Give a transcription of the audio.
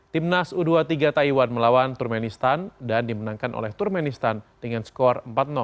timnas u dua puluh tiga taiwan melawan turmenistan dan dimenangkan oleh turmenistan dengan skor empat